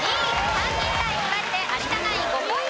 ３人対２人で有田ナイン５ポイント獲得です。